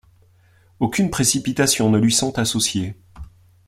Aucunes précipitations ne lui sont associées.